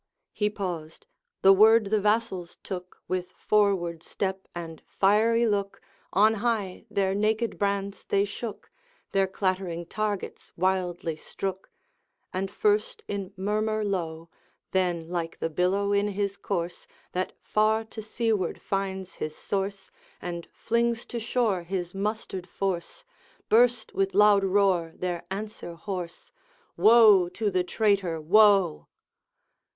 He paused; the word the vassals took, With forward step and fiery look, On high their naked brands they shook, Their clattering targets wildly strook; And first in murmur low, Then like the billow in his course, That far to seaward finds his source, And flings to shore his mustered force, Burst with loud roar their answer hoarse, 'Woe to the traitor, woe!'